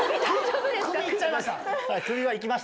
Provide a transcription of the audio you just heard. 首いっちゃいました。